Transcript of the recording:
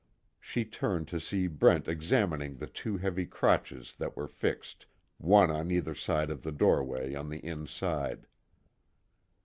She turned to see Brent examining the two heavy crotches that were fixed, one on either side of the doorway on the inside.